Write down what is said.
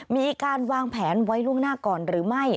มีการวางแผนไว้ล่วงหน้าก่อนหรือไม่